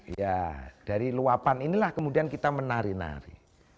ya dari luapan inilah kemudian kita menari nari